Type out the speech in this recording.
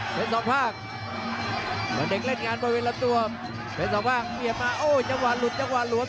เป็นสองภาควันเด็กเล่นงานบริเวณละตัวเป็นสองภาคเบียบมาโอ้โหจังหวานหลุดจังหวานหลวม